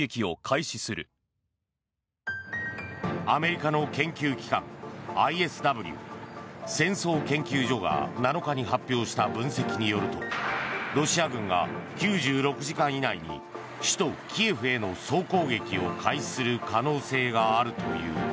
アメリカの研究機関ＩＳＷ・戦争研究所が７日に発表した分析によるとロシア軍が９６時間以内に首都キエフへの総攻撃を開始する可能性があるという。